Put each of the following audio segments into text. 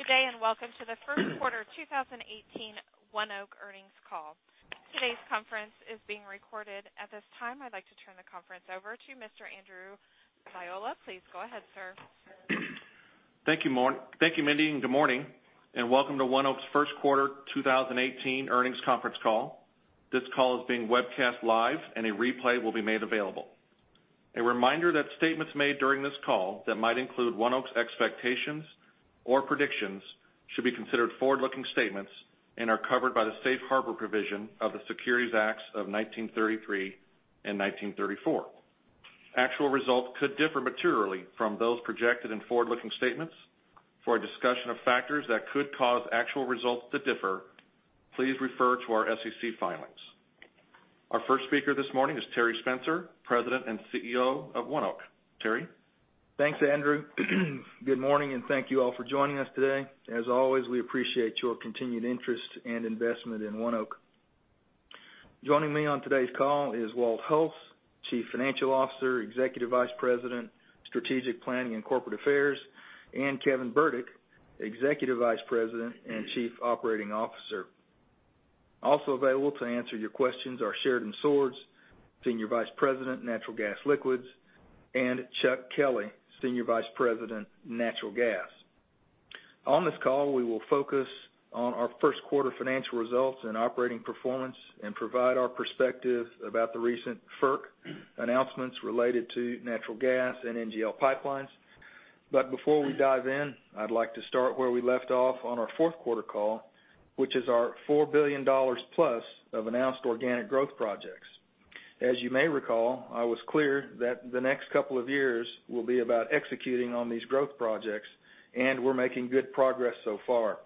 Good day. Welcome to the first quarter 2018 ONEOK earnings call. Today's conference is being recorded. At this time, I'd like to turn the conference over to Mr. Andrew Ziola. Please go ahead, sir. Thank you, Mindy. Good morning. Welcome to ONEOK's first quarter 2018 earnings conference call. This call is being webcast live. A replay will be made available. A reminder that statements made during this call that might include ONEOK's expectations or predictions should be considered forward-looking statements and are covered by the safe harbor provision of the Securities Acts of 1933 and 1934. Actual results could differ materially from those projected in forward-looking statements. For a discussion of factors that could cause actual results to differ, please refer to our SEC filings. Our first speaker this morning is Terry Spencer, President and CEO of ONEOK. Terry? Thanks, Andrew. Good morning. Thank you all for joining us today. As always, we appreciate your continued interest and investment in ONEOK. Joining me on today's call is Walt Hulse, Chief Financial Officer, Executive Vice President, Strategic Planning and Corporate Affairs, and Kevin Burdick, Executive Vice President and Chief Operating Officer. Also available to answer your questions are Sheridan Swords, Senior Vice President, Natural Gas Liquids, and Chuck Kelley, Senior Vice President, Natural Gas. On this call, we will focus on our first quarter financial results and operating performance and provide our perspective about the recent FERC announcements related to natural gas and NGL pipelines. Before we dive in, I'd like to start where we left off on our fourth quarter call, which is our $4 billion-plus of announced organic growth projects. As you may recall, I was clear that the next couple of years will be about executing on these growth projects. We're making good progress so far.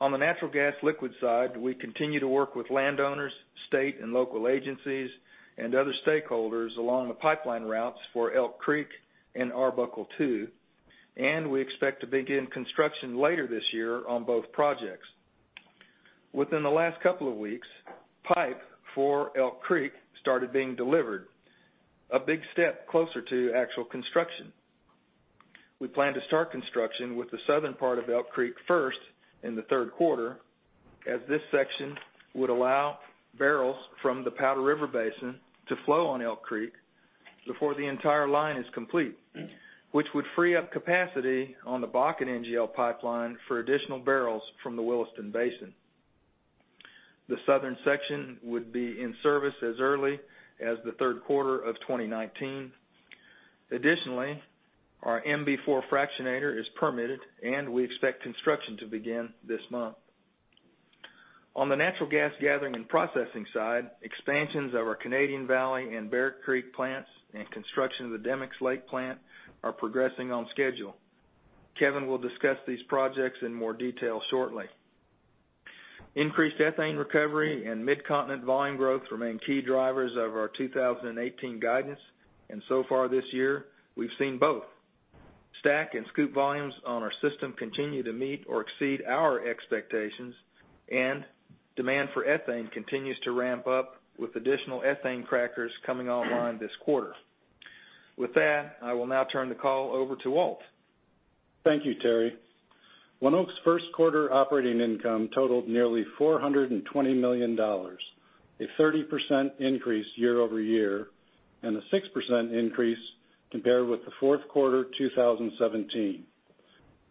On the natural gas liquid side, we continue to work with landowners, state and local agencies, and other stakeholders along the pipeline routes for Elk Creek and Arbuckle II. We expect to begin construction later this year on both projects. Within the last couple of weeks, pipe for Elk Creek started being delivered, a big step closer to actual construction. We plan to start construction with the southern part of Elk Creek first in the third quarter, as this section would allow barrels from the Powder River Basin to flow on Elk Creek before the entire line is complete, which would free up capacity on the Bakken NGL Pipeline for additional barrels from the Williston Basin. The southern section would be in service as early as the third quarter of 2019. Additionally, our MB4 fractionator is permitted, and we expect construction to begin this month. On the natural gas gathering and processing side, expansions of our Canadian Valley and Bear Creek plants and construction of the Demicks Lake plant are progressing on schedule. Kevin will discuss these projects in more detail shortly. Increased ethane recovery and Mid-Continent volume growth remain key drivers of our 2018 guidance. So far this year, we've seen both. STACK and SCOOP volumes on our system continue to meet or exceed our expectations, and demand for ethane continues to ramp up with additional ethane crackers coming online this quarter. With that, I will now turn the call over to Walt. Thank you, Terry. ONEOK's first quarter operating income totaled nearly $420 million, a 30% increase year-over-year, and a 6% increase compared with the fourth quarter 2017.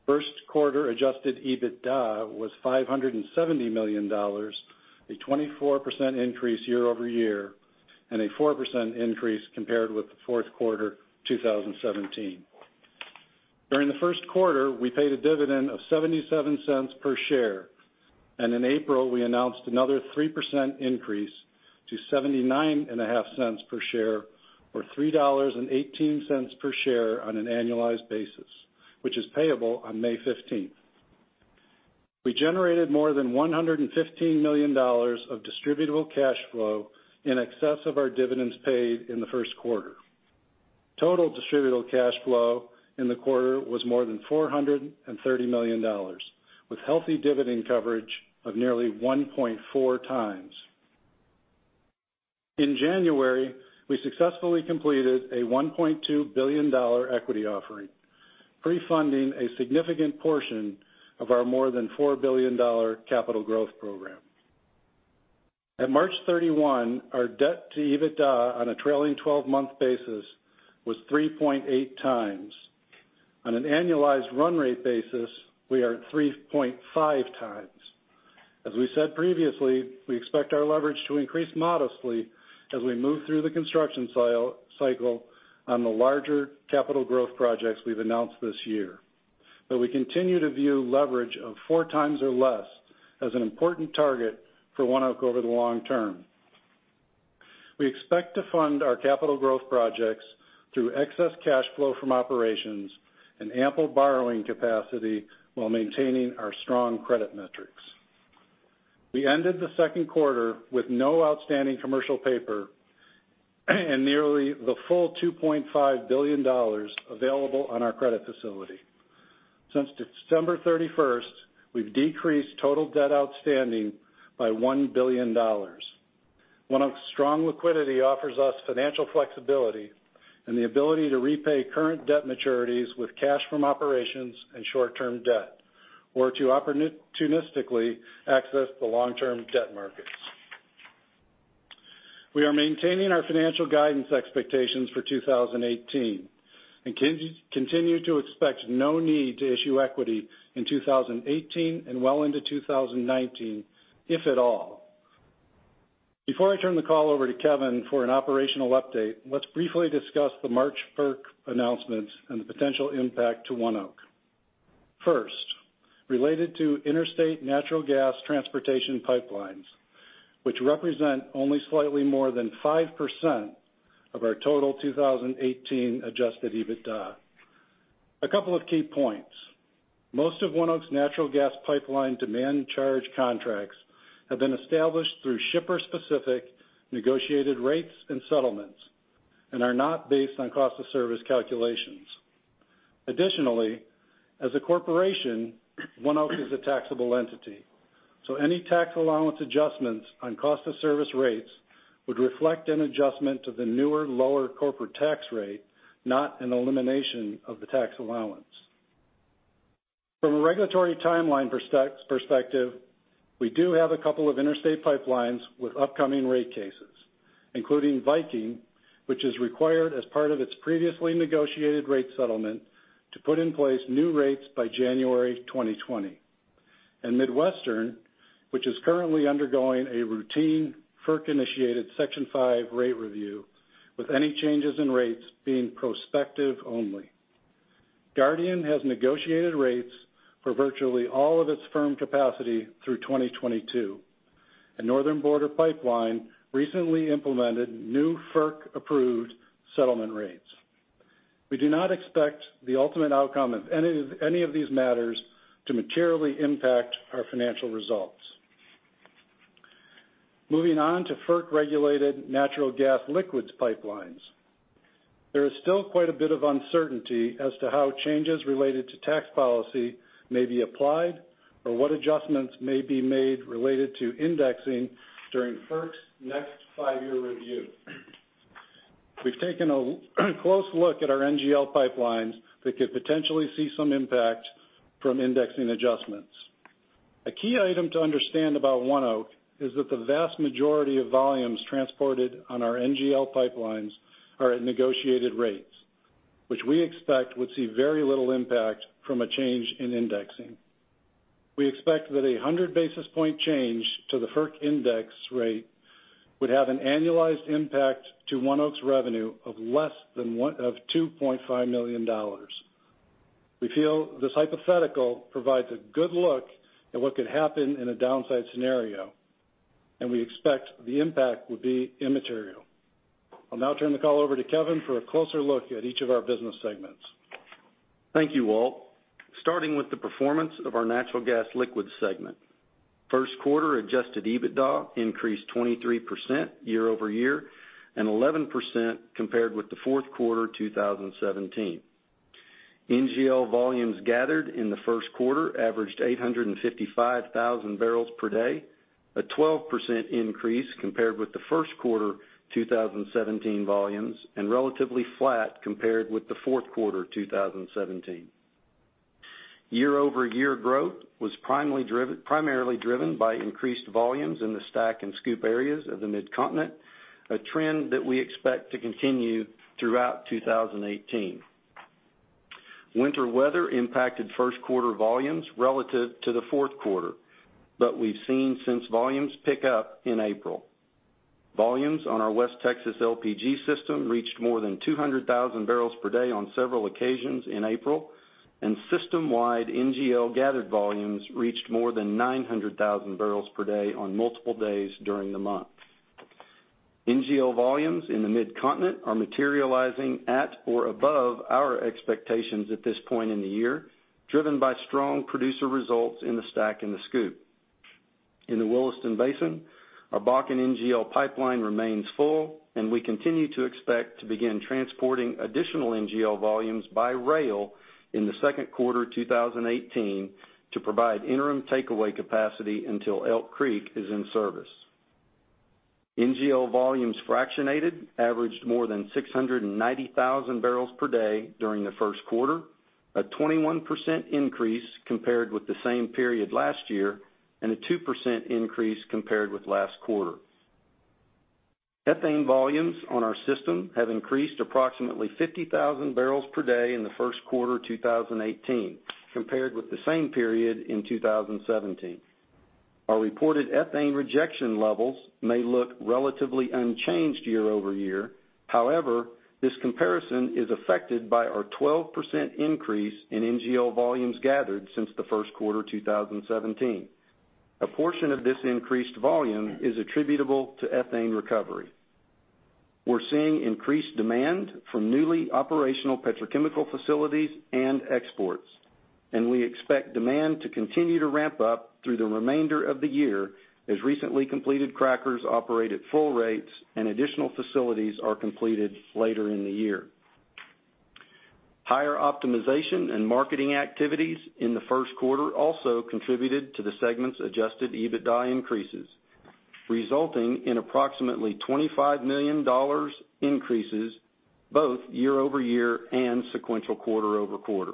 First quarter adjusted EBITDA was $570 million, a 24% increase year-over-year, and a 4% increase compared with the fourth quarter 2017. During the first quarter, we paid a dividend of $0.77 per share, and in April, we announced another 3% increase to $0.795 per share, or $3.18 per share on an annualized basis, which is payable on May 15th. We generated more than $115 million of distributable cash flow in excess of our dividends paid in the first quarter. Total distributable cash flow in the quarter was more than $430 million, with healthy dividend coverage of nearly 1.4 times. In January, we successfully completed a $1.2 billion equity offering, pre-funding a significant portion of our more than $4 billion capital growth program. At March 31, our debt to EBITDA on a trailing 12-month basis was 3.8 times. On an annualized run rate basis, we are at 3.5 times. As we said previously, we expect our leverage to increase modestly as we move through the construction cycle on the larger capital growth projects we've announced this year. We continue to view leverage of four times or less as an important target for ONEOK over the long term. We expect to fund our capital growth projects through excess cash flow from operations and ample borrowing capacity while maintaining our strong credit metrics. We ended the second quarter with no outstanding commercial paper and nearly the full $2.5 billion available on our credit facility. Since December 31st, we've decreased total debt outstanding by $1 billion. ONEOK's strong liquidity offers us financial flexibility and the ability to repay current debt maturities with cash from operations and short-term debt, or to opportunistically access the long-term debt markets. We are maintaining our financial guidance expectations for 2018 and continue to expect no need to issue equity in 2018 and well into 2019, if at all. Before I turn the call over to Kevin for an operational update, let's briefly discuss the March FERC announcement and the potential impact to ONEOK. First, related to interstate natural gas transportation pipelines, which represent only slightly more than 5% of our total 2018 adjusted EBITDA. A couple of key points. Most of ONEOK's natural gas pipeline demand charge contracts have been established through shipper-specific negotiated rates and settlements and are not based on cost of service calculations. Additionally, as a corporation, ONEOK is a taxable entity, so any tax allowance adjustments on cost of service rates would reflect an adjustment to the newer, lower corporate tax rate, not an elimination of the tax allowance. From a regulatory timeline perspective, we do have a couple of interstate pipelines with upcoming rate cases, including Viking, which is required as part of its previously negotiated rate settlement to put in place new rates by January 2020. Midwestern is currently undergoing a routine FERC-initiated Section 5 rate review, with any changes in rates being prospective only. Guardian has negotiated rates for virtually all of its firm capacity through 2022. Northern Border Pipeline recently implemented new FERC-approved settlement rates. We do not expect the ultimate outcome of any of these matters to materially impact our financial results. Moving on to FERC-regulated natural gas liquids pipelines. There is still quite a bit of uncertainty as to how changes related to tax policy may be applied or what adjustments may be made related to indexing during FERC's next five-year review. We've taken a close look at our NGL pipelines that could potentially see some impact from indexing adjustments. A key item to understand about ONEOK is that the vast majority of volumes transported on our NGL pipelines are at negotiated rates, which we expect would see very little impact from a change in indexing. We expect that a 100-basis-point change to the FERC index rate would have an annualized impact to ONEOK's revenue of less than $2.5 million. We feel this hypothetical provides a good look at what could happen in a downside scenario, and we expect the impact would be immaterial. I'll now turn the call over to Kevin for a closer look at each of our business segments. Thank you, Walt. Starting with the performance of our Natural Gas Liquids Segment. First quarter adjusted EBITDA increased 23% year-over-year and 11% compared with the fourth quarter 2017. NGL volumes gathered in the first quarter averaged 855,000 barrels per day, a 12% increase compared with the first quarter 2017 volumes, and relatively flat compared with the fourth quarter 2017. Year-over-year growth was primarily driven by increased volumes in the STACK and SCOOP areas of the Midcontinent, a trend that we expect to continue throughout 2018. Winter weather impacted first quarter volumes relative to the fourth quarter, but we've seen since volumes pick up in April. Volumes on our West Texas LPG system reached more than 200,000 barrels per day on several occasions in April, and system-wide NGL gathered volumes reached more than 900,000 barrels per day on multiple days during the month. NGL volumes in the Mid-Continent are materializing at or above our expectations at this point in the year, driven by strong producer results in the STACK and the SCOOP. In the Williston Basin, our Bakken NGL Pipeline remains full, and we continue to expect to begin transporting additional NGL volumes by rail in the second quarter 2018 to provide interim takeaway capacity until Elk Creek is in service. NGL volumes fractionated averaged more than 690,000 barrels per day during the first quarter, a 21% increase compared with the same period last year, and a 2% increase compared with last quarter. ethane volumes on our system have increased approximately 50,000 barrels per day in the first quarter 2018 compared with the same period in 2017. Our reported ethane rejection levels may look relatively unchanged year-over-year. This comparison is affected by our 12% increase in NGL volumes gathered since the first quarter 2017. A portion of this increased volume is attributable to ethane recovery. We're seeing increased demand from newly operational petrochemical facilities and exports, and we expect demand to continue to ramp up through the remainder of the year, as recently completed crackers operate at full rates and additional facilities are completed later in the year. Higher optimization and marketing activities in the first quarter also contributed to the segment's adjusted EBITDA increases, resulting in approximately $25 million increases, both year-over-year and sequential quarter-over-quarter.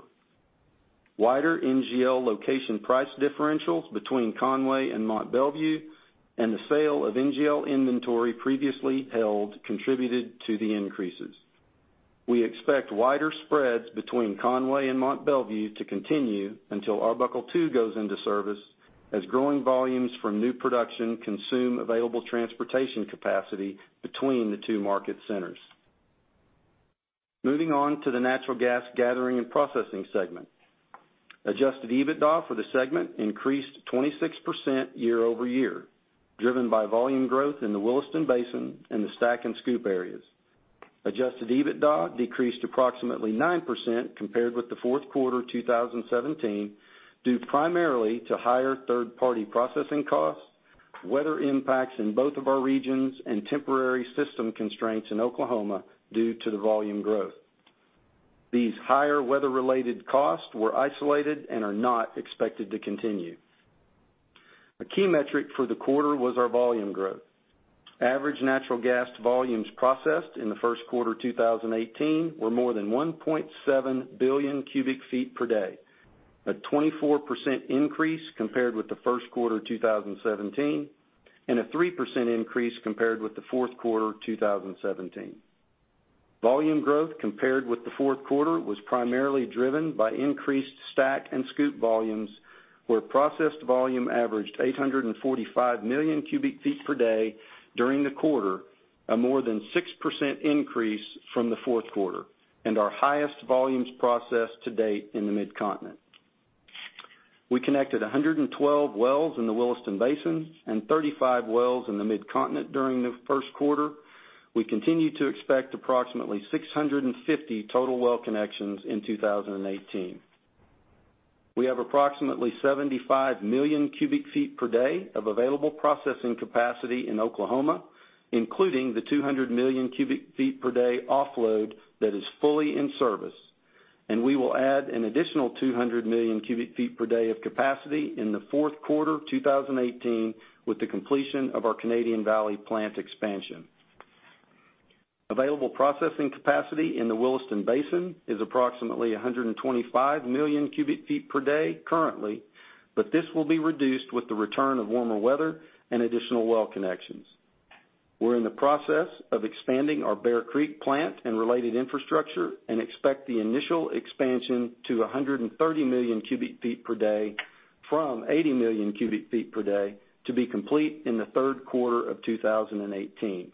Wider NGL location price differentials between Conway and Mont Belvieu and the sale of NGL inventory previously held contributed to the increases. We expect wider spreads between Conway and Mont Belvieu to continue until Arbuckle II goes into service as growing volumes from new production consume available transportation capacity between the two market centers. Moving on to the natural gas gathering and processing segment. Adjusted EBITDA for the segment increased 26% year-over-year, driven by volume growth in the Williston Basin and the STACK and SCOOP areas. Adjusted EBITDA decreased approximately 9% compared with the fourth quarter 2017, due primarily to higher third-party processing costs, weather impacts in both of our regions, and temporary system constraints in Oklahoma due to the volume growth. These higher weather-related costs were isolated and are not expected to continue. A key metric for the quarter was our volume growth. Average natural gas volumes processed in the first quarter 2018 were more than 1.7 billion cubic feet per day, a 24% increase compared with the first quarter 2017, and a 3% increase compared with the fourth quarter 2017. Volume growth compared with the fourth quarter was primarily driven by increased STACK and SCOOP volumes where processed volume averaged 845 million cubic feet per day during the quarter, a more than 6% increase from the fourth quarter, and our highest volumes processed to date in the Mid-Continent. We connected 112 wells in the Williston Basin and 35 wells in the Mid-Continent during the first quarter. We continue to expect approximately 650 total well connections in 2018. We have approximately 75 million cubic feet per day of available processing capacity in Oklahoma, including the 200 million cubic feet per day offload that is fully in service, and we will add an additional 200 million cubic feet per day of capacity in the fourth quarter 2018 with the completion of our Canadian Valley plant expansion. Available processing capacity in the Williston Basin is approximately 125 million cubic feet per day currently, but this will be reduced with the return of warmer weather and additional well connections. We're in the process of expanding our Bear Creek plant and related infrastructure and expect the initial expansion to 130 million cubic feet per day from 80 million cubic feet per day to be complete in the third quarter of 2018.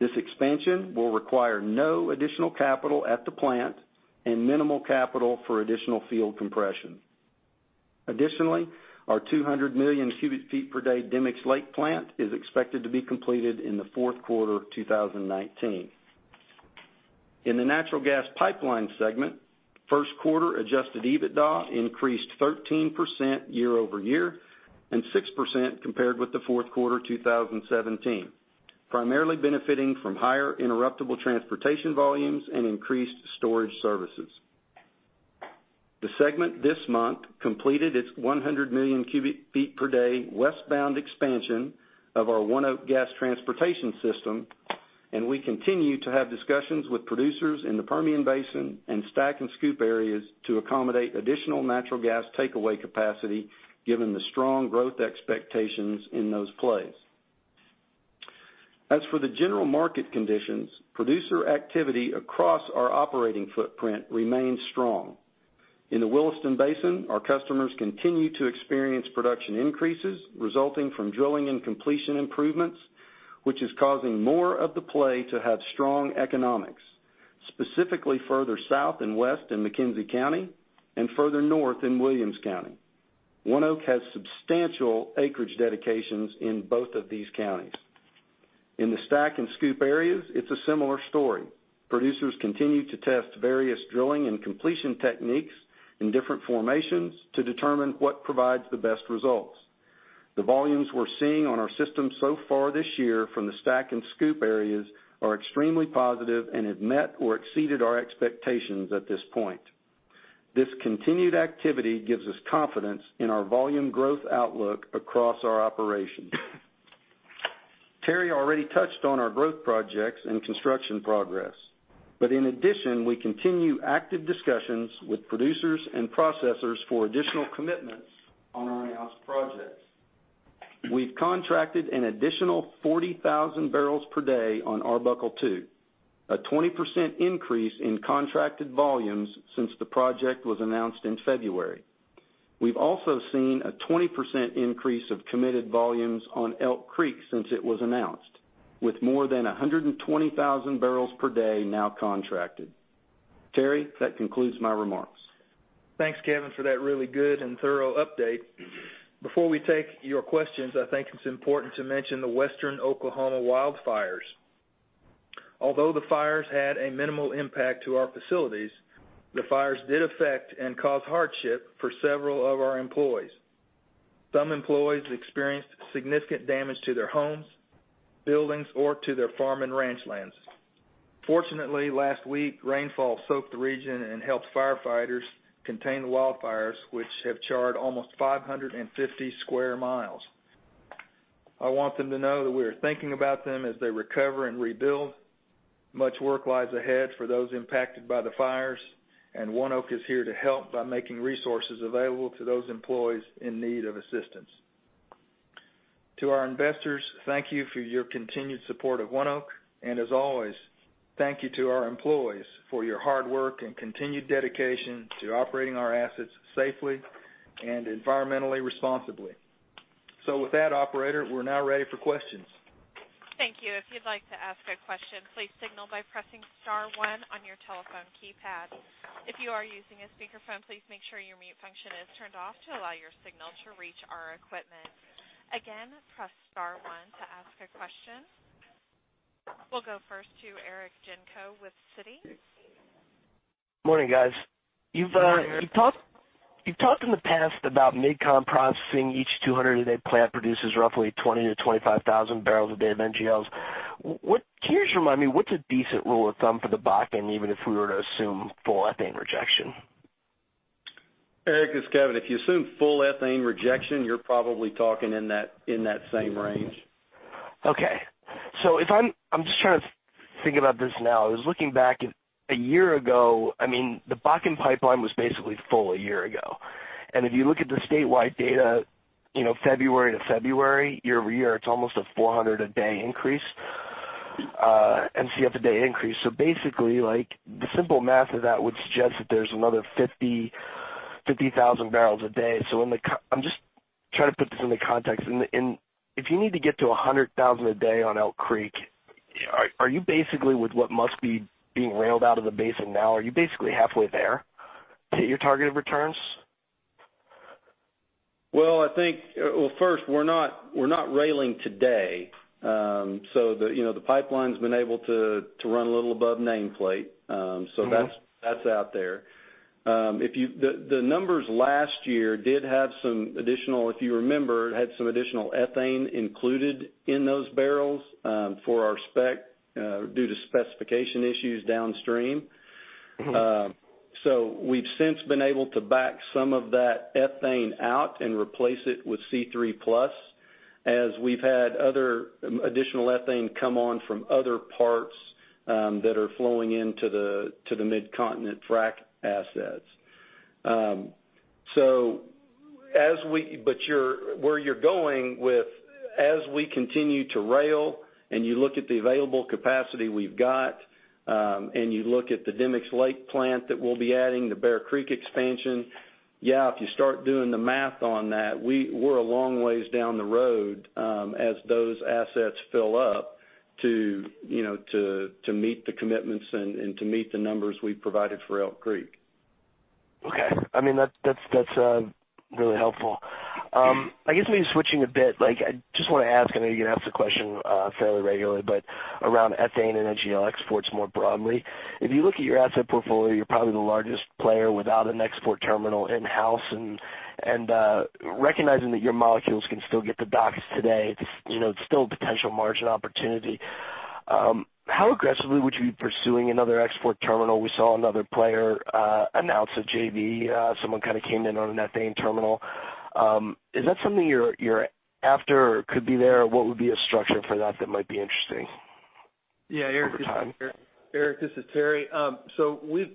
This expansion will require no additional capital at the plant and minimal capital for additional field compression. Our 200 million cubic feet per day Demicks Lake plant is expected to be completed in the fourth quarter 2019. In the natural gas pipeline segment, first quarter adjusted EBITDA increased 13% year-over-year and 6% compared with the fourth quarter 2017, primarily benefiting from higher interruptible transportation volumes and increased storage services. The segment this month completed its 100 million cubic feet per day westbound expansion of our ONEOK Gas Transportation system, and we continue to have discussions with producers in the Permian Basin and STACK and SCOOP areas to accommodate additional natural gas takeaway capacity, given the strong growth expectations in those plays. As for the general market conditions, producer activity across our operating footprint remains strong. In the Williston Basin, our customers continue to experience production increases resulting from drilling and completion improvements, which is causing more of the play to have strong economics, specifically further south and west in McKenzie County and further north in Williams County. ONEOK has substantial acreage dedications in both of these counties. In the STACK and SCOOP areas, it's a similar story. Producers continue to test various drilling and completion techniques in different formations to determine what provides the best results. The volumes we're seeing on our system so far this year from the STACK and SCOOP areas are extremely positive and have met or exceeded our expectations at this point. This continued activity gives us confidence in our volume growth outlook across our operations. Terry already touched on our growth projects and construction progress, in addition, we continue active discussions with producers and processors for additional commitments on our announced projects. We've contracted an additional 40,000 barrels per day on Arbuckle II, a 20% increase in contracted volumes since the project was announced in February. We've also seen a 20% increase of committed volumes on Elk Creek since it was announced, with more than 120,000 barrels per day now contracted. Terry, that concludes my remarks. Thanks, Kevin, for that really good and thorough update. Before we take your questions, I think it's important to mention the Western Oklahoma wildfires. Although the fires had a minimal impact to our facilities, the fires did affect and cause hardship for several of our employees. Some employees experienced significant damage to their homes, buildings, or to their farm and ranch lands. Fortunately, last week, rainfall soaked the region and helped firefighters contain the wildfires, which have charred almost 550 sq mi. I want them to know that we are thinking about them as they recover and rebuild. Much work lies ahead for those impacted by the fires, ONEOK is here to help by making resources available to those employees in need of assistance. To our investors, thank you for your continued support of ONEOK. As always, thank you to our employees for your hard work and continued dedication to operating our assets safely and environmentally responsibly. With that, operator, we're now ready for questions. Thank you. If you'd like to ask a question, please signal by pressing star one on your telephone keypad. If you are using a speakerphone, please make sure your mute function is turned off to allow your signal to reach our equipment. Again, press star one to ask a question. We'll go first to Eric Genco with Citi. Morning, guys. Morning, Eric. You've talked in the past about MidCont processing. Each 200 a day plant produces roughly 20,000-25,000 barrels a day of NGLs. Can you just remind me what's a decent rule of thumb for the back end, even if we were to assume full ethane rejection? Eric, it's Kevin. If you assume full ethane rejection, you're probably talking in that same range. I'm just trying to think about this now. I was looking back a year ago, the Bakken pipeline was basically full a year ago. If you look at the statewide data February to February, year-over-year, it's almost a 400 a day increase, MCFD a day increase. Basically, the simple math of that would suggest that there's another 50,000 barrels a day. I'm just trying to put this into context. If you need to get to 100,000 a day on Elk Creek, are you basically with what must be being railed out of the basin now, are you basically halfway there to hit your targeted returns? Well, first, we're not railing today. The pipeline's been able to run a little above name plate. That's out there. The numbers last year did have some additional, if you remember, it had some additional ethane included in those barrels for our spec due to specification issues downstream. We've since been able to back some of that ethane out and replace it with C3+ as we've had other additional ethane come on from other parts that are flowing into the Midcontinent frack assets. Where you're going with as we continue to rail, and you look at the available capacity we've got, and you look at the Demicks Lake plant that we'll be adding, the Bear Creek expansion, yeah, if you start doing the math on that, we're a long way down the road as those assets fill up to meet the commitments and to meet the numbers we've provided for Elk Creek. Okay. That's really helpful. Yeah. I guess maybe switching a bit, I just want to ask, I know you get asked the question fairly regularly, around ethane and NGL exports more broadly. If you look at your asset portfolio, you're probably the largest player without an export terminal in-house, recognizing that your molecules can still get to docks today, it's still a potential margin opportunity. How aggressively would you be pursuing another export terminal? We saw another player announce a JV. Someone kind of came in on an ethane terminal. Is that something you're after or could be there? What would be a structure for that that might be interesting over time? Yeah, Eric, this is Terry.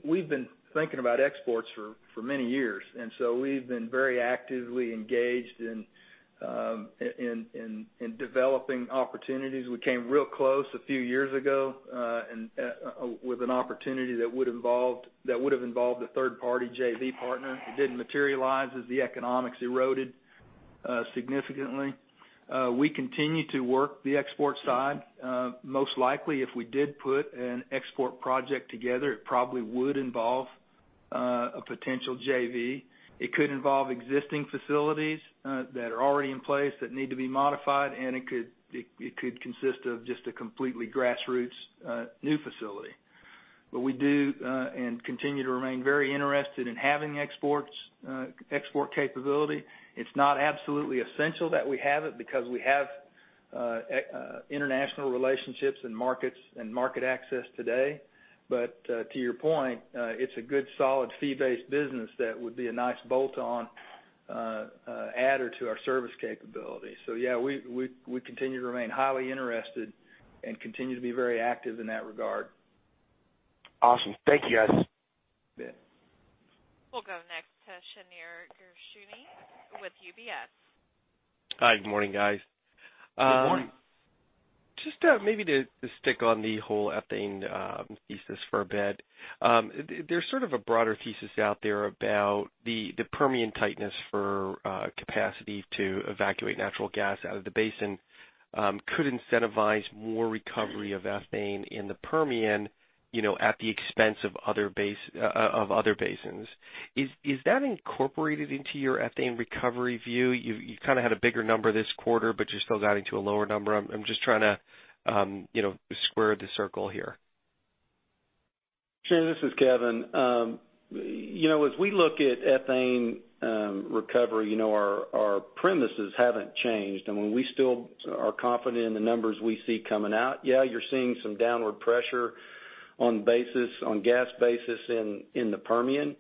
We've been thinking about exports for many years, we've been very actively engaged in developing opportunities. We came real close a few years ago with an opportunity that would've involved a third-party JV partner. It didn't materialize as the economics eroded significantly. We continue to work the export side. Most likely, if we did put an export project together, it probably would involve a potential JV. It could involve existing facilities that are already in place that need to be modified, it could consist of just a completely grassroots new facility. We do and continue to remain very interested in having export capability. It's not absolutely essential that we have it because we have international relationships in markets and market access today. To your point, it's a good solid fee-based business that would be a nice bolt-on adder to our service capability. Yeah, we continue to remain highly interested and continue to be very active in that regard. Awesome. Thank you, guys. Yeah. We'll go next to Shneur Gershuni with UBS. Hi, good morning, guys. Good morning. Just maybe to stick on the whole ethane thesis for a bit. There's sort of a broader thesis out there about the Permian tightness for capacity to evacuate natural gas out of the basin could incentivize more recovery of ethane in the Permian at the expense of other basins. Is that incorporated into your ethane recovery view? You've kind of had a bigger number this quarter, but you're still guiding to a lower number. I'm just trying to square the circle here. Sheridan, this is Kevin. As we look at ethane recovery, our premises haven't changed. We still are confident in the numbers we see coming out. You're seeing some downward pressure on gas basis in the Permian.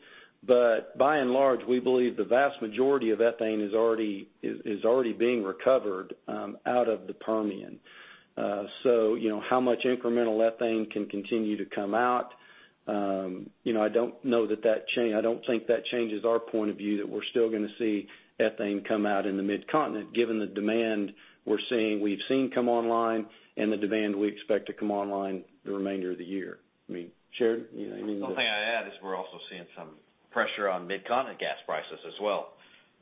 By and large, we believe the vast majority of ethane is already being recovered out of the Permian. How much incremental ethane can continue to come out? I don't think that changes our point of view, that we're still going to see ethane come out in the Mid-Continent, given the demand we've seen come online, and the demand we expect to come online the remainder of the year. I mean, Sheridan, you know anything. The only thing I'd add is we're also seeing some pressure on Mid-Continent gas prices as well,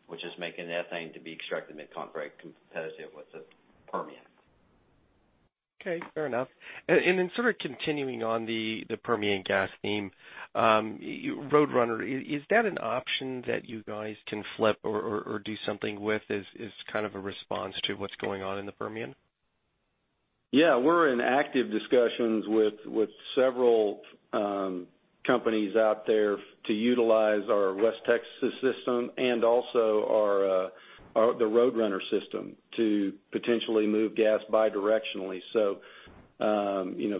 which is making ethane to be extracted Mid-Continent competitive with the Permian. Fair enough. Sort of continuing on the Permian gas theme. Roadrunner, is that an option that you guys can flip or do something with as kind of a response to what's going on in the Permian? We're in active discussions with several companies out there to utilize our West Texas system and also the Roadrunner system to potentially move gas bidirectionally.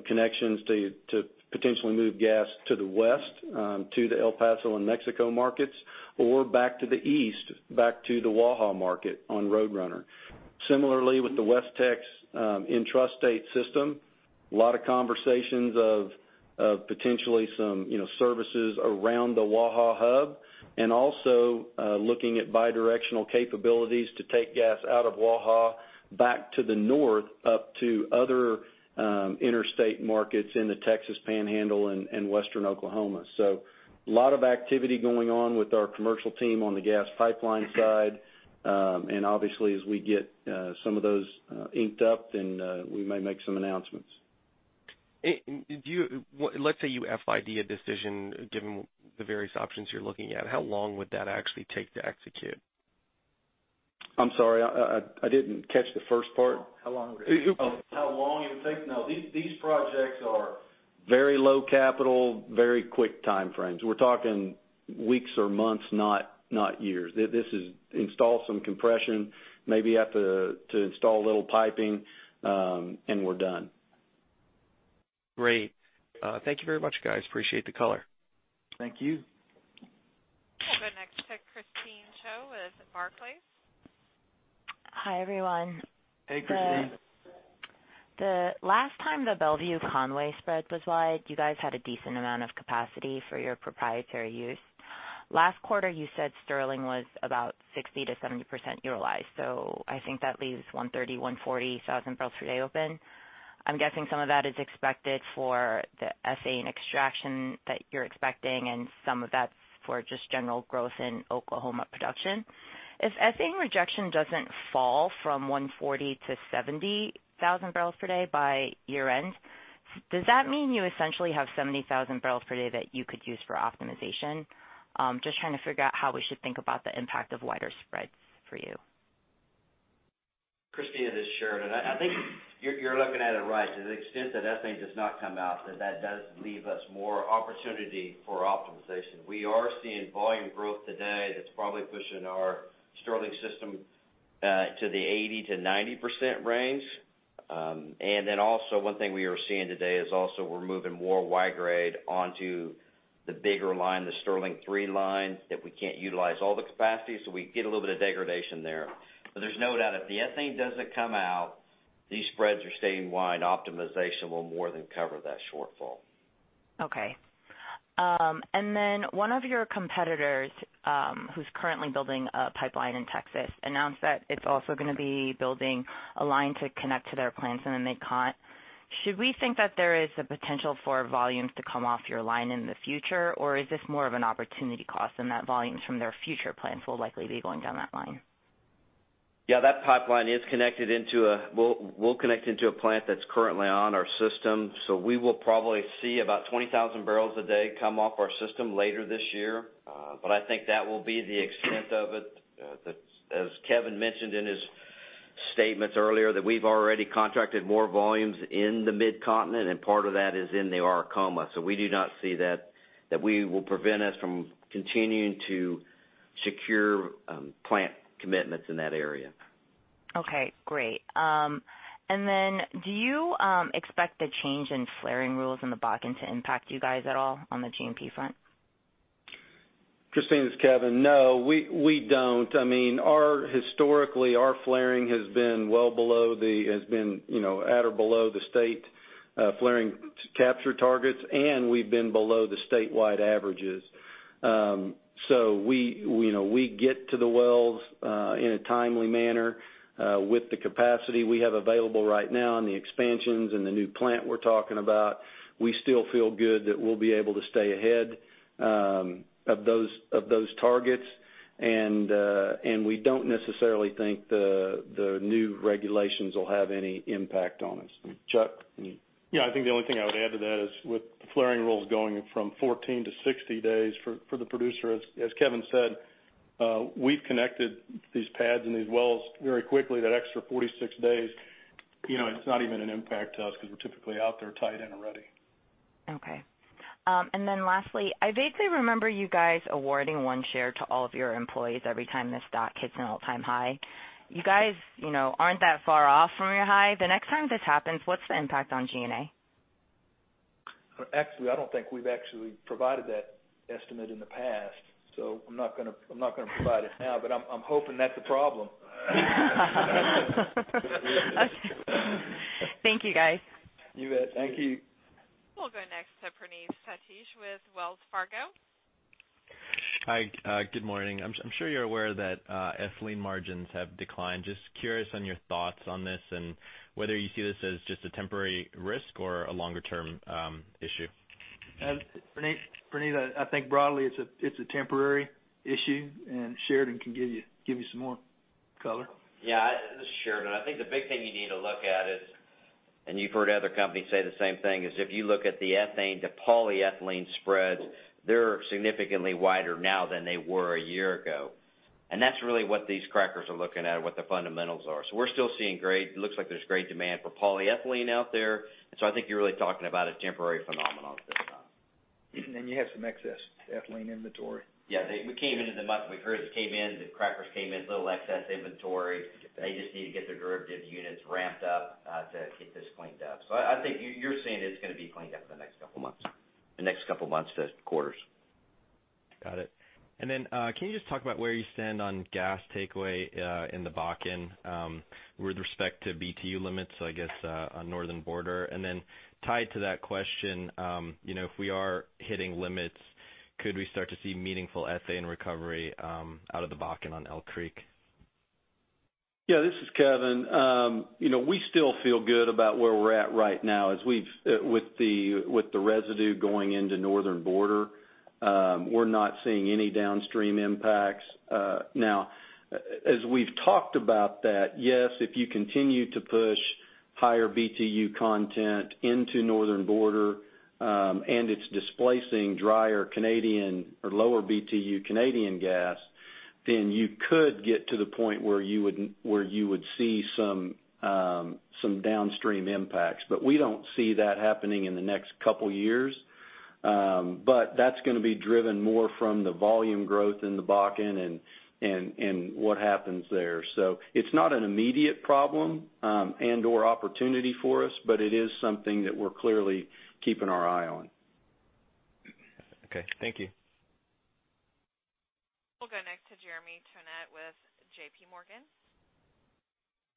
Connections to potentially move gas to the west, to the El Paso and Mexico markets, or back to the east, back to the WAHA market on Roadrunner. Similarly, with the West-Tex intrastate system, a lot of conversations of potentially some services around the WAHA hub, and also looking at bidirectional capabilities to take gas out of WAHA back to the north up to other interstate markets in the Texas Panhandle and Western Oklahoma. A lot of activity going on with our commercial team on the gas pipeline side. Obviously as we get some of those inked up, we may make some announcements. Let's say you FID a decision, given the various options you're looking at. How long would that actually take to execute? I'm sorry, I didn't catch the first part. How long would it take? Oh, how long it would take. No, these projects are very low capital, very quick time frames. We're talking weeks or months, not years. This is install some compression, maybe have to install a little piping, and we're done. Great. Thank you very much, guys. Appreciate the color. Thank you. We'll go next to Christine Cho with Barclays. Hi, everyone. Hey, Christine. The last time the Mont Belvieu-Conway spread was wide, you guys had a decent amount of capacity for your proprietary use. Last quarter, you said Sterling was about 60%-70% utilized. I think that leaves 130,000, 140,000 barrels per day open. I'm guessing some of that is expected for the ethane extraction that you're expecting, and some of that's for just general growth in Oklahoma production. If ethane rejection doesn't fall from 140,000 to 70,000 barrels per day by year-end, does that mean you essentially have 70,000 barrels per day that you could use for optimization? Just trying to figure out how we should think about the impact of wider spreads for you. Christine, this is Sheridan. I think you're looking at it right. To the extent that ethane does not come out, that does leave us more opportunity for optimization. We are seeing volume growth today that's probably pushing our Sterling system to the 80%-90% range. Also one thing we are seeing today is also we're moving more Y-grade onto the bigger line, the Sterling III line, that we can't utilize all the capacity, so we get a little bit of degradation there. There's no doubt if the ethane doesn't come out, these spreads are staying wide, optimization will more than cover that shortfall. Okay. One of your competitors, who's currently building a pipeline in Texas, announced that it's also going to be building a line to connect to their plants in the Mid-Con. Should we think that there is a potential for volumes to come off your line in the future, or is this more of an opportunity cost and that volumes from their future plants will likely be going down that line? That pipeline will connect into a plant that's currently on our system. We will probably see about 20,000 barrels a day come off our system later this year. I think that will be the extent of it. As Kevin mentioned in his statements earlier, we've already contracted more volumes in the Mid-Continent, and part of that is in the Arkoma. We do not see that will prevent us from continuing to secure plant commitments in that area. Okay, great. Do you expect the change in flaring rules in the Bakken to impact you guys at all on the G&P front? Christine, it's Kevin. No, we don't. Historically, our flaring has been at or below the state flaring capture targets, and we've been below the statewide averages. We get to the wells in a timely manner. With the capacity we have available right now and the expansions and the new plant we're talking about, we still feel good that we'll be able to stay ahead of those targets. We don't necessarily think the new regulations will have any impact on us. Chuck, anything you- I think the only thing I would add to that is with flaring rules going from 14 to 60 days for the producer, as Kevin said, we've connected these pads and these wells very quickly. That extra 46 days It's not even an impact to us because we're typically out there tied in already. Lastly, I vaguely remember you guys awarding one share to all of your employees every time the stock hits an all-time high. You guys aren't that far off from your high. The next time this happens, what's the impact on G&A? Actually, I don't think we've actually provided that estimate in the past, so I'm not going to provide it now. I'm hoping that's a problem. Okay. Thank you, guys. You bet. Thank you. We'll go next to Praneeth Satish with Wells Fargo. Hi. Good morning. I'm sure you're aware that ethylene margins have declined. Just curious on your thoughts on this and whether you see this as just a temporary risk or a longer-term issue. Praneeth, I think broadly it's a temporary issue, and Sheridan can give you some more color. Yeah. This is Sheridan. I think the big thing you need to look at is, and you've heard other companies say the same thing, is if you look at the ethane to polyethylene spread, they're significantly wider now than they were a year ago. That's really what these crackers are looking at, what the fundamentals are. We're still seeing great demand for polyethylene out there. I think you're really talking about a temporary phenomenon at this time. You have some excess ethylene inventory. Yeah. We came into the month. We heard it came in, the crackers came in, little excess inventory. They just need to get their derivative units ramped up to get this cleaned up. I think you're saying it's going to be cleaned up the next couple of months to quarters. Got it. Can you just talk about where you stand on gas takeaway in the Bakken with respect to BTU limits, I guess, on Northern Border. Tied to that question, if we are hitting limits, could we start to see meaningful ethane recovery out of the Bakken on Elk Creek? Yeah, this is Kevin. We still feel good about where we're at right now with the residue going into Northern Border. We're not seeing any downstream impacts. As we've talked about that, yes, if you continue to push higher BTU content into Northern Border, and it's displacing drier Canadian or lower BTU Canadian gas, then you could get to the point where you would see some downstream impacts. We don't see that happening in the next couple of years. That's going to be driven more from the volume growth in the Bakken and what happens there. It's not an immediate problem and/or opportunity for us, but it is something that we're clearly keeping our eye on. Okay. Thank you. We'll go next to Jeremy Tonet with J.P. Morgan.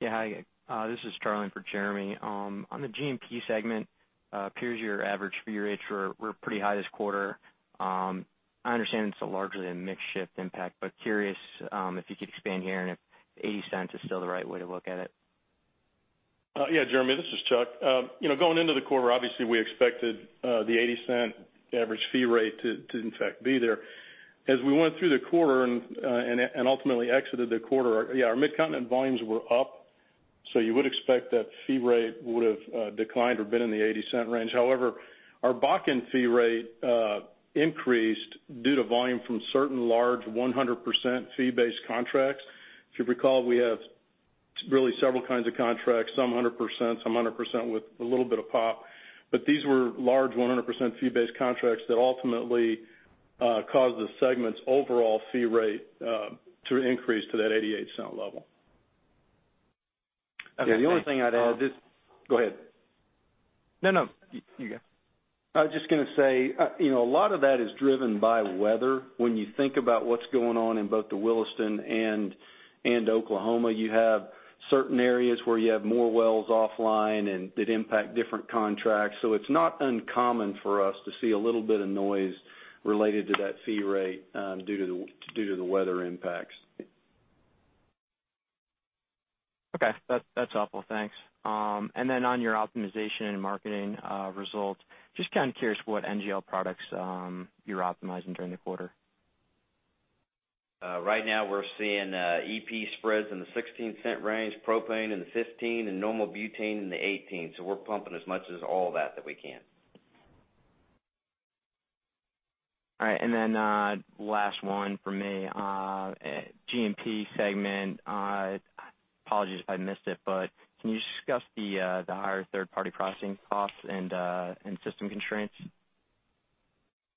Yeah, hi. This is Charlie in for Jeremy. On the G&P segment, it appears your average fee rates were pretty high this quarter. I understand it's largely a mix shift impact, but curious if you could expand here and if $0.80 is still the right way to look at it. Yeah, Jeremy, this is Chuck. Going into the quarter, obviously, we expected the $0.80 average fee rate to in fact be there. As we went through the quarter and ultimately exited the quarter, our Midcontinent volumes were up, so you would expect that fee rate would have declined or been in the $0.80 range. However, our Bakken fee rate increased due to volume from certain large 100% fee-based contracts. If you recall, we have really several kinds of contracts, some 100%, some 100% with a little bit of pop. These were large 100% fee-based contracts that ultimately caused the segment's overall fee rate to increase to that $0.88 level. Yeah, the only thing I'd add. Okay. Go ahead. No, you go. I was just going to say, a lot of that is driven by weather. When you think about what's going on in both the Williston and Oklahoma, you have certain areas where you have more wells offline and that impact different contracts. It's not uncommon for us to see a little bit of noise related to that fee rate due to the weather impacts. Okay. That's helpful. Thanks. On your optimization and marketing results, just kind of curious what NGL products you're optimizing during the quarter. Right now we're seeing E/P spreads in the $0.16 range, propane in the $0.15, and normal butane in the $0.18. We're pumping as much as all that we can. All right. Last one from me. G&P segment, apologies if I missed it, but can you discuss the higher third-party processing costs and system constraints?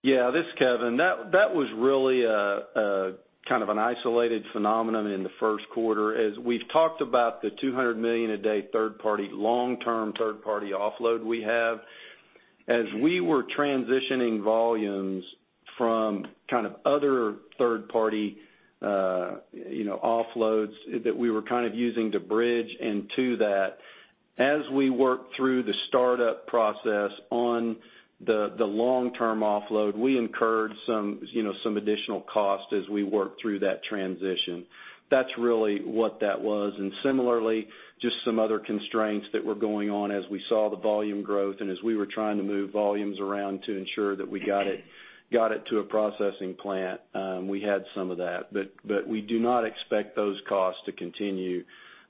Yeah. This is Kevin. That was really kind of an isolated phenomenon in the first quarter. As we've talked about the 200 million a day long-term third-party offload we have, as we were transitioning volumes from kind of other third-party offloads that we were kind of using to bridge into that, as we worked through the startup process on the long-term offload, we incurred some additional cost as we worked through that transition. That's really what that was. Similarly, just some other constraints that were going on as we saw the volume growth and as we were trying to move volumes around to ensure that we got it to a processing plant. We had some of that. We do not expect those costs to continue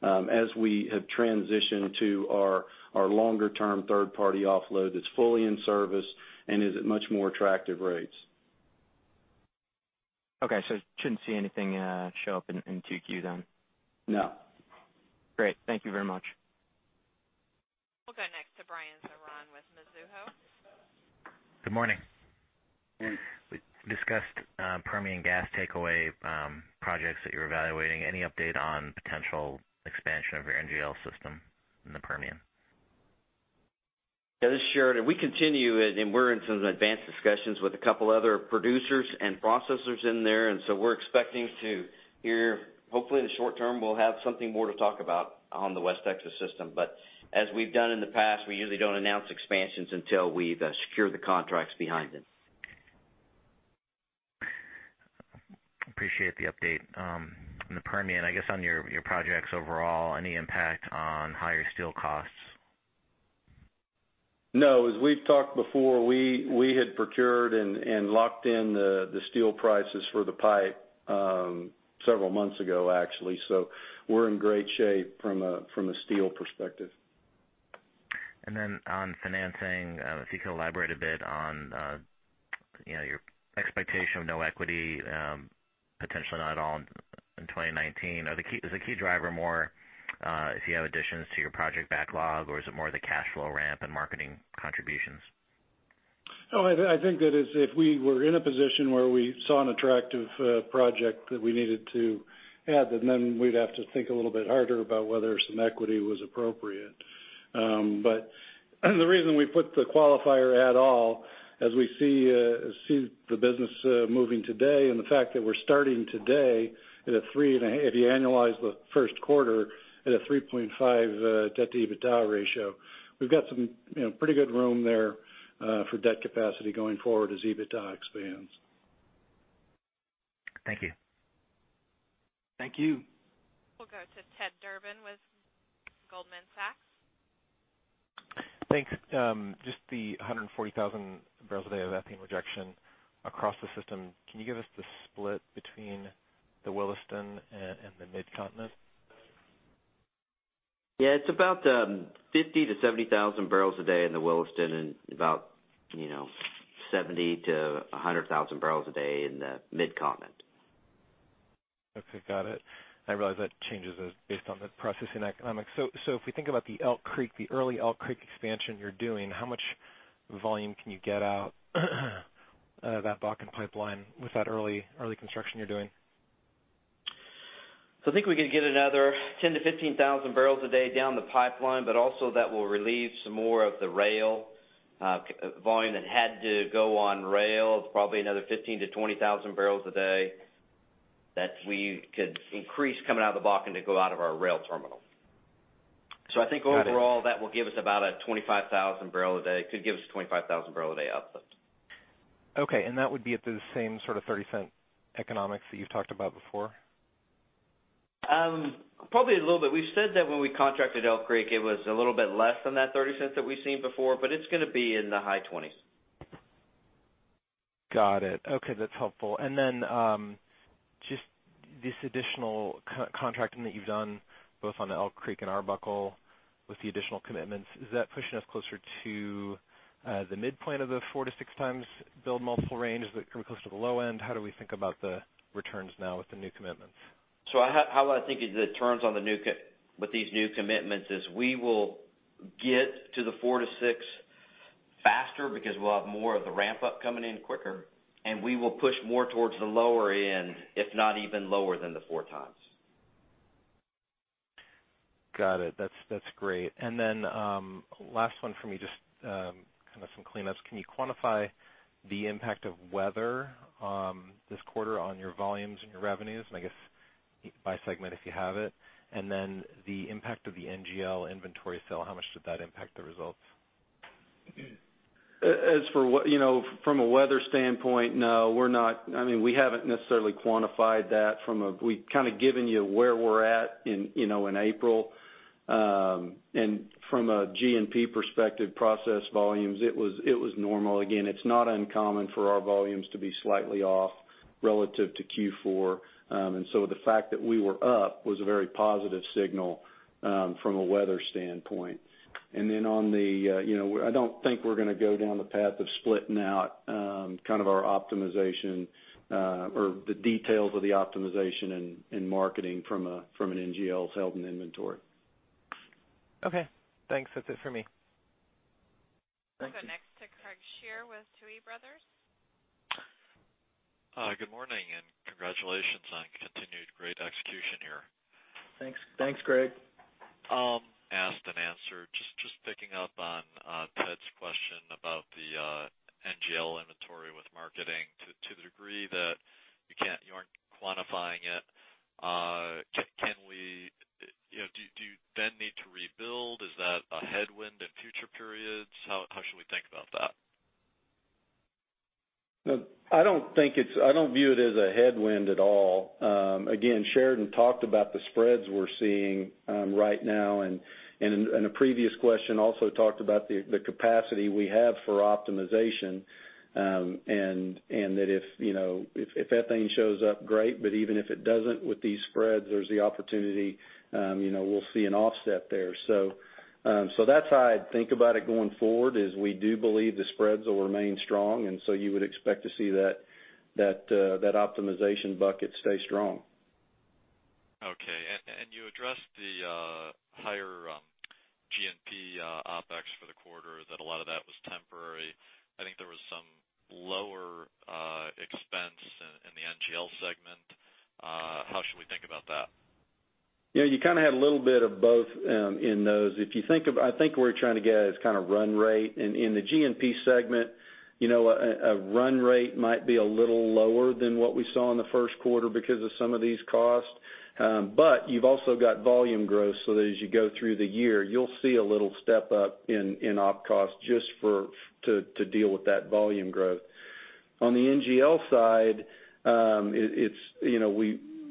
as we have transitioned to our longer-term third-party offload that's fully in service and is at much more attractive rates. Okay. Shouldn't see anything show up in 2Q then? No. Great. Thank you very much. We'll go next to Brian Zarahn with Mizuho. Good morning. Good morning. We discussed Permian gas takeaway projects that you're evaluating. Any update on potential expansion of your NGL system in the Permian? Yeah, this is Sheridan. We continue, and we're in some advanced discussions with a couple other producers and processors in there. So we're expecting to hear, hopefully in the short term, we'll have something more to talk about on the West Texas system. As we've done in the past, we usually don't announce expansions until we've secured the contracts behind them. Appreciate the update. In the Permian, I guess, on your projects overall, any impact on higher steel costs? As we've talked before, we had procured and locked in the steel prices for the pipe several months ago, actually. We're in great shape from a steel perspective. On financing, if you could elaborate a bit on your expectation of no equity, potentially not at all in 2019. Is the key driver more if you have additions to your project backlog, or is it more the cash flow ramp and marketing contributions? I think that is if we were in a position where we saw an attractive project that we needed to add, then we'd have to think a little bit harder about whether some equity was appropriate. The reason we put the qualifier at all, as we see the business moving today, and the fact that we're starting today at a 3.5 debt-to-EBITDA ratio, we've got some pretty good room there for debt capacity going forward as EBITDA expands. Thank you. Thank you. We'll go to Theodore Durbin with Goldman Sachs. Thanks. Just the 140,000 barrels a day of ethane rejection across the system, can you give us the split between the Williston and the Midcontinent? Yeah, it's about 50 to 70,000 barrels a day in the Williston and about 70 to 100,000 barrels a day in the Midcontinent. Okay. Got it. I realize that changes based on the processing economics. If we think about the Elk Creek, the early Elk Creek expansion you're doing, how much volume can you get out of that Bakken NGL Pipeline with that early construction you're doing? I think we could get another 10,000-15,000 barrels a day down the pipeline, but also that will relieve some more of the rail volume that had to go on rail. It's probably another 15,000-20,000 barrels a day that we could increase coming out of the Bakken to go out of our rail terminal. Got it. This will give us about a 25,000 barrel a day. It could give us a 25,000 barrel a day uplift. Okay, that would be at the same sort of $0.30 economics that you've talked about before? Probably a little bit. We've said that when we contracted Elk Creek, it was a little bit less than that $0.30 that we've seen before, it's going to be in the high 20s. Got it. Okay, that's helpful. Just this additional contracting that you've done both on the Elk Creek and Arbuckle with the additional commitments, is that pushing us closer to the midpoint of the 4 to 6 times build multiple range? Is that kind of close to the low end? How do we think about the returns now with the new commitments? How I think it returns with these new commitments is we will get to the 4 to 6 faster because we'll have more of the ramp-up coming in quicker, we will push more towards the lower end, if not even lower than the 4 times. Got it. That's great. Last one for me, just kind of some cleanups. Can you quantify the impact of weather this quarter on your volumes and your revenues, and I guess by segment, if you have it? The impact of the NGL inventory sale, how much did that impact the results? From a weather standpoint, we haven't necessarily quantified that. We've kind of given you where we're at in April. From a G&P perspective, process volumes, it was normal. Again, it's not uncommon for our volumes to be slightly off relative to Q4. The fact that we were up was a very positive signal from a weather standpoint. I don't think we're going to go down the path of splitting out kind of our optimization or the details of the optimization in marketing from an NGL held in inventory. Okay, thanks. That's it for me. Thank you. We'll go next to Craig Shere with Tuohy Brothers. Good morning. Congratulations on continued great execution here. Thanks, Craig. Asked and answered. Just picking up on Ted's question about the NGL inventory with marketing to the degree that you aren't quantifying it. Do you then need to rebuild? Is that a headwind in future periods? How should we think about that? No, I don't view it as a headwind at all. Again, Sheridan talked about the spreads we're seeing right now, in a previous question also talked about the capacity we have for optimization, and that if ethane shows up, great, but even if it doesn't with these spreads, there's the opportunity. We'll see an offset there. That's how I'd think about it going forward, is we do believe the spreads will remain strong, you would expect to see that optimization bucket stay strong. Okay. You addressed the higher G&P OPEX for the quarter, that a lot of that was temporary. I think there was some lower expense in the NGL segment. How should we think about that? You kind of had a little bit of both in those. I think what we're trying to get at is kind of run rate. In the G&P segment, a run rate might be a little lower than what we saw in the first quarter because of some of these costs. You've also got volume growth, as you go through the year, you'll see a little step up in op cost just to deal with that volume growth. On the NGL side,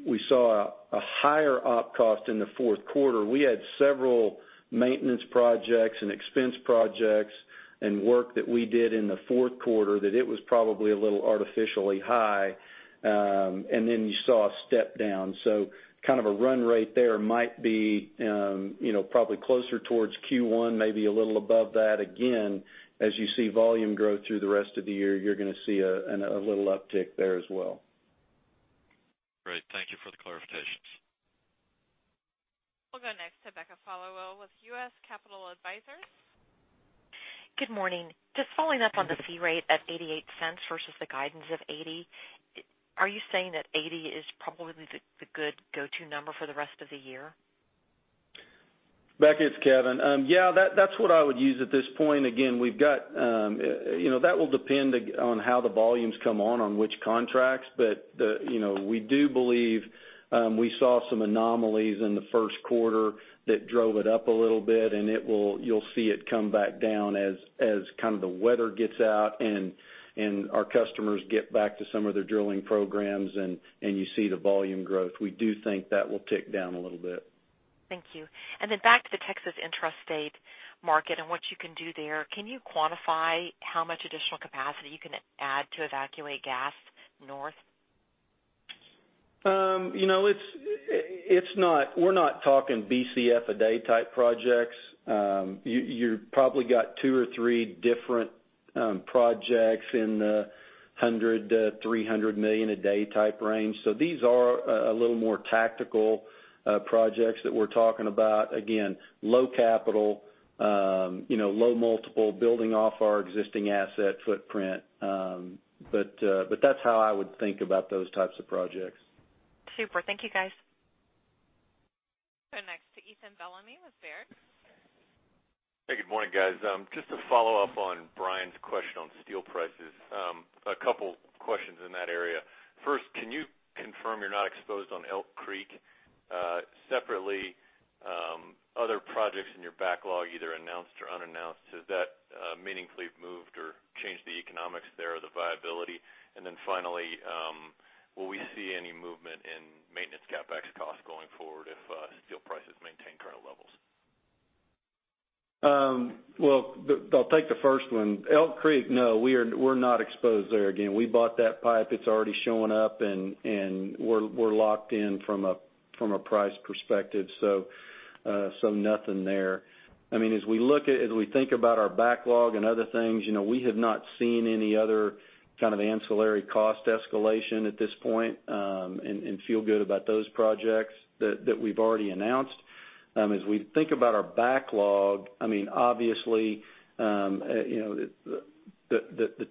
we saw a higher op cost in the fourth quarter. We had several maintenance projects and expense projects and work that we did in the fourth quarter that it was probably a little artificially high. You saw a step down. Kind of a run rate there might be probably closer towards Q1, maybe a little above that. Again, as you see volume growth through the rest of the year, you're going to see a little uptick there as well. Great. Thank you for the clarifications. We'll go next to Becca Followill with U.S. Capital Advisors. Good morning. Just following up on the fee rate of $0.88 versus the guidance of $0.80. Are you saying that $0.80 is probably the good go-to number for the rest of the year? Becca, it's Kevin. Yeah, that's what I would use at this point. That will depend on how the volumes come on which contracts. We do believe we saw some anomalies in the first quarter that drove it up a little bit, and you'll see it come back down as kind of the weather gets out and our customers get back to some of their drilling programs and you see the volume growth. We do think that will tick down a little bit. Thank you. Back to the Texas intrastate market and what you can do there. Can you quantify how much additional capacity you can add to evacuate gas north? We're not talking Bcf a day type projects. You probably got two or three different projects in the 100 to 300 million a day type range. These are a little more tactical projects that we're talking about. Again, low capital, low multiple, building off our existing asset footprint. That's how I would think about those types of projects. Super. Thank you guys. Go next to Ethan Bellamy with Baird. Good morning, guys. Just to follow up on Brian's question on steel prices. A couple questions in that area. First, can you confirm you're not exposed on Elk Creek? Separately, other projects in your backlog, either announced or unannounced, has that meaningfully moved or changed the economics there or the viability? Finally, will we see any movement in maintenance CapEx costs going forward if steel prices maintain current levels? Well, I'll take the first one. Elk Creek, no, we're not exposed there. Again, we bought that pipe. It's already showing up, and we're locked in from a price perspective. Nothing there. As we think about our backlog and other things, we have not seen any other kind of ancillary cost escalation at this point, and feel good about those projects that we've already announced. As we think about our backlog, obviously, the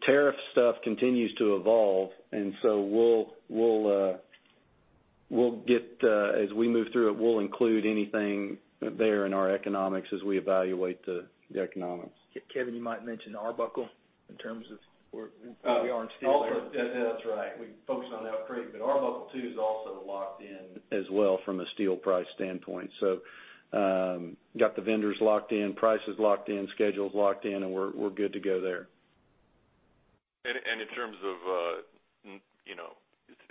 tariff stuff continues to evolve, as we move through it, we'll include anything there in our economics as we evaluate the economics. Kevin, you might mention Arbuckle in terms of where we are in steel there. That's right. We focused on Elk Creek, but Arbuckle II is also locked in as well from a steel price standpoint. Got the vendors locked in, prices locked in, schedules locked in, and we're good to go there. In terms of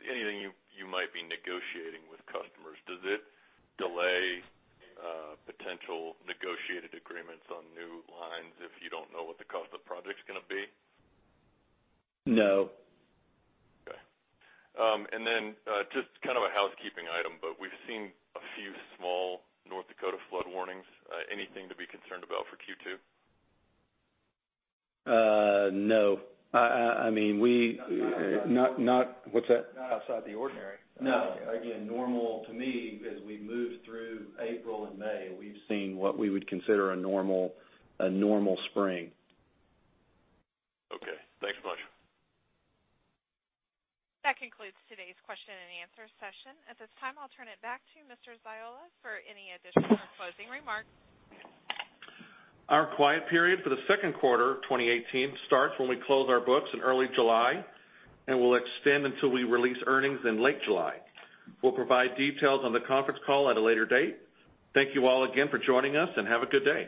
anything you might be negotiating with customers, does it delay potential negotiated agreements on new lines if you don't know what the cost of the project's going to be? No. Okay. Just kind of a housekeeping item, we've seen a few small North Dakota flood warnings. Anything to be concerned about for Q2? No. What's that? Not outside the ordinary. No. Again, normal to me as we move through April and May, we've seen what we would consider a normal spring. Okay. Thanks a bunch. That concludes today's question and answer session. At this time, I'll turn it back to Mr. Ziola for any additional closing remarks. Our quiet period for the second quarter of 2018 starts when we close our books in early July and will extend until we release earnings in late July. We'll provide details on the conference call at a later date. Thank you all again for joining us, and have a good day.